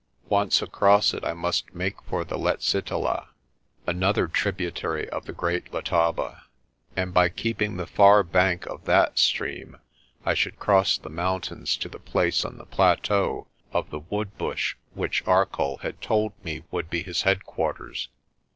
Once across it I must make for the Letsitela, an other tributary of the Great Letaba, and by keeping the far bank of that stream I should cross the mountains to the place on the plateau of the Wood Bush which Arcoll had told me would be his headquarters.